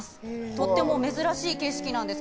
とっても珍しい景色なんです。